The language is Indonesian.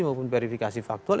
maupun verifikasi faktual